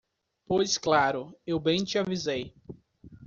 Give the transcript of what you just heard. pois claro, eu bem te avisei.